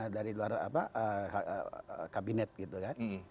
dari luar kabinet gitu kan